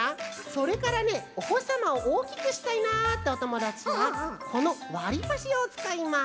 それからねおほしさまをおおきくしたいなっておともだちはこのわりばしをつかいます。